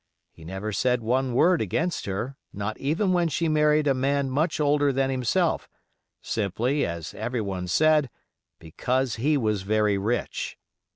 He never said one word against her, not even when she married a man much older than himself, simply, as everyone said, because he was very rich.